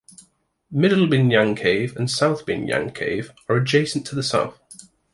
Middle Binyang Cave and South Binyang Cave are adjacent to the south.